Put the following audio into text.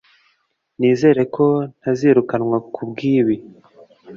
Nizere ko ntazirukanwa kubwibi. (Hybrid)